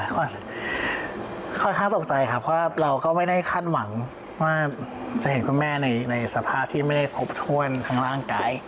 ก็ค่อนข้างตกใจครับเพราะว่าเราก็ไม่ได้คาดหวังว่าจะเห็นคุณแม่ในสภาพที่ไม่ได้ครบถ้วนทั้งร่างกาย